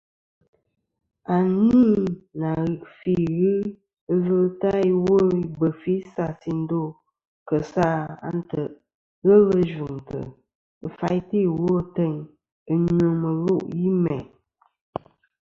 À nî nà fî ghɨ ɨlvɨ ta iwo i bef ɨ isas ì ndo kèsa a ntèʼ ghelɨ yvɨ̀ŋtɨ̀ ɨ faytɨ ìwo ateyn ɨ nyvɨ mɨlûʼ yi mæ̀.